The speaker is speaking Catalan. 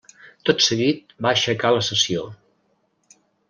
Tot seguit va aixecar la sessió.